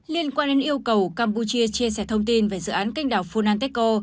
liên quan đến yêu cầu campuchia chia sẻ thông tin về dự án canh đảo funanteco